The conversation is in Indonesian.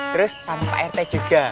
terus sama rt juga